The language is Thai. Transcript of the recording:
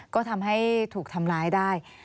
ก็ทำให้ถูกทำร้ายได้